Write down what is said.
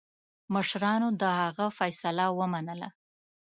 مشرانو د هغه فیصله ومنله.